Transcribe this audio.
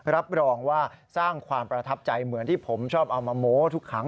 รับรองว่าสร้างความประทับใจเหมือนที่ผมชอบเอามาโม้ทุกครั้ง